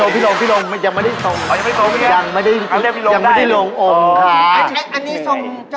พี่โล่งสวัสดี